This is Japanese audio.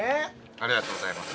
ありがとうございます。